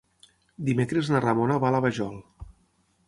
Dimecres na Ramona va a la Vajol.